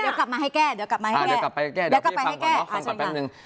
เดี๋ยวกลับมาให้แก้